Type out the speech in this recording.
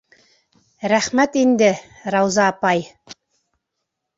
Рәхмәт инде, Рауза апай!